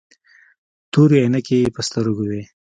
تورې عينکې يې په سترګو وې.